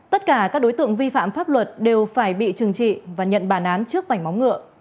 tất cả các đối tượng vi phạm pháp luật đều phải bị trừng trị và nhận bản án trước vảnh móng ngựa